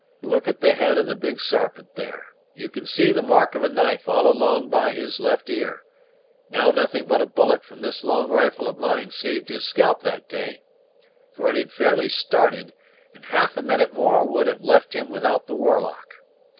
Look at the head of the Big Sarpent, there; you can see the mark of a knife all along by his left ear: now nothing but a bullet from this long rifle of mine saved his scalp that day; for it had fairly started, and half a minute more would have left him without the war lock.